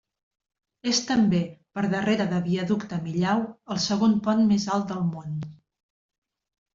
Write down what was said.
És també, per darrere de viaducte Millau, el segon pont més alt del món.